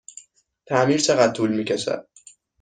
تعمیر چقدر طول می کشد؟